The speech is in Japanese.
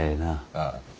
ああ。